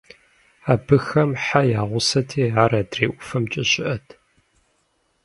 Абыхэм хьэ я гъусэти, ар адрей ӀуфэмкӀэ щыӀэт.